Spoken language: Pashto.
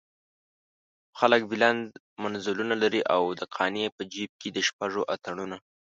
خلک بلند منزلونه لري او د قانع په جيب کې د سپږو اتڼونه.